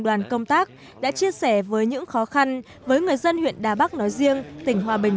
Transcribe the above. đoàn công tác đã chia sẻ với những khó khăn với người dân huyện đà bắc nói riêng tỉnh hòa bình